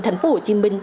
thành phố hồ chí minh